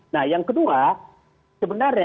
nah yang kedua sebenarnya